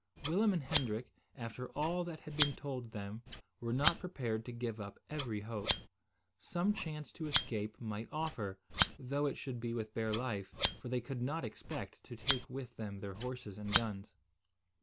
Willem and Hendrik, after all that had been told them, were not prepared to give up every hope. Some chance to escape might offer, though it should be with bare life; for they could not expect to take with them their horses and guns.